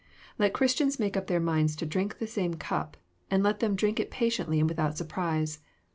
Let Christians make up their minds to drin^ the same cup, and let them drink it patiently and without surprise.